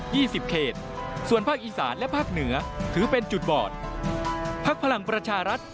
ี่สิบเขตส่วนภาคอีสานและภาคเหนือถือเป็นจุดบอดพักพลังประชารัฐ